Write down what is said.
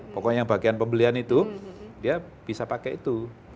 pokoknya bagian pembelian itu dia bisa pakai itu